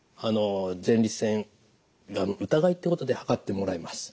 前立腺がん疑いってことで測ってもらえます。